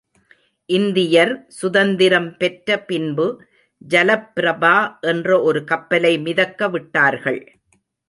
இந்தியர் சுதந்திரம் பெற்ற பின்பு ஜலப்பிரபா என்ற ஒரு கப்பலை மிதக்கவிட்டார்கள்.